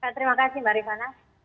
terima kasih mbak rifana